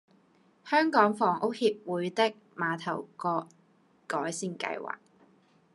香港房屋協會的馬頭角改善計劃